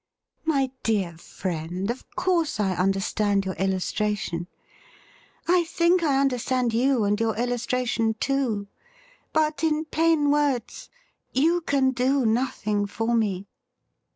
' My dear friendj of course I understand your illustra tion. I think I understand you and your illustration too. But, in plain words, you can do nothing for me.